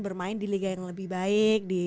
bermain di liga yang lebih baik